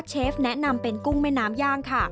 เชฟแนะนำเป็นกุ้งแม่น้ำย่างค่ะ